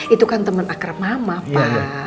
itu kan teman akrab mama pak